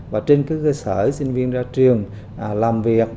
và trên cơ sở sinh viên ra trường làm việc